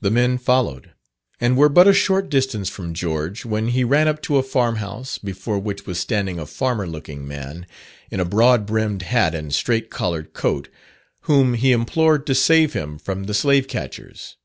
The men followed, and were but a short distance from George, when he ran up to a farm house, before which was standing a farmer looking man, in a broad brimmed hat and straight collared coat, whom he implored to save him from the "slave catchers."